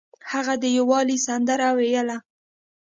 هغه د یووالي سندره ویله.